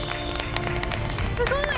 すごい！